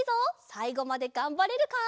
さいごまでがんばれるか？